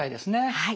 はい。